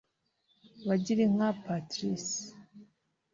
Bagirinka Patricie